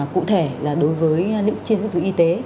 cụ thể là đối với những chiến sĩ công an y tế